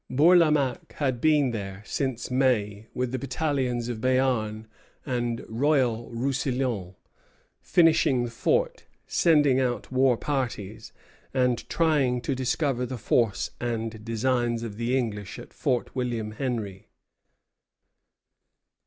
Bourlamaque had been there since May with the battalions of Béarn and Royal Roussillon, finishing the fort, sending out war parties, and trying to discover the force and designs of the English at Fort William Henry.